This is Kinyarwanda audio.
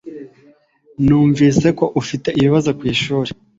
Numvise ko ufite ibibazo kwishuri.